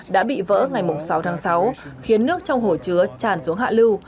đã bị vỡ ngày sáu tháng sáu khiến nước trong hồ chứa tràn xuống hạ lưu